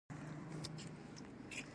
ایا جنګ مو لیدلی؟